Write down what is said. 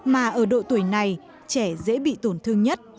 mà ở độ tuổi này trẻ dễ bị tổn thương nhất